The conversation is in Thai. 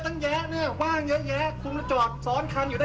อันนี้ก็คือ